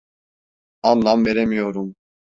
Anlam veremiyorum.